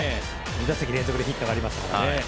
２打席連続でヒットがありましたからね。